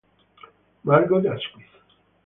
Margot Asquith